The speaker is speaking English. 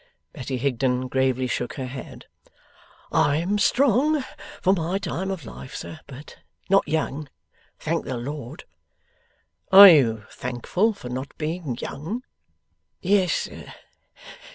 Betty Higden gravely shook her head. 'I am strong for my time of life, sir, but not young, thank the Lord!' 'Are you thankful for not being young?' 'Yes, sir.